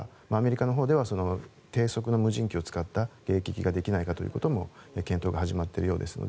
アメリカのほうでは低速の無人機を使った迎撃ができないかということの研究も始まっているようですので